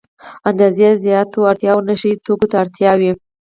اندازې زياتو اړتیاوو نشه يي توکو اړتیا وي.